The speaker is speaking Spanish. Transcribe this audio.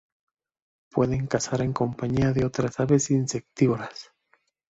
Pueden cazar en compañía de otras aves insectívoras.